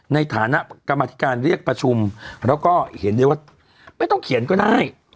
ในฐานะกรรมธิการเรียกประชุมแล้วก็เห็นได้ว่าไม่ต้องเขียนก็ได้